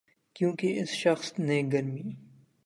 کیونکہ اس شخص نے گرمی